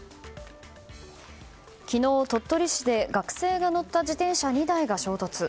昨日、鳥取市で学生が乗った自転車２台が衝突。